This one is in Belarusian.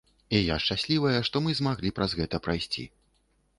І я шчаслівая, што мы змаглі праз гэта прайсці.